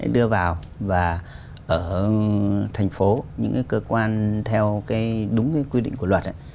đưa vào và ở thành phố những cái cơ quan theo cái đúng cái quy định của luật ấy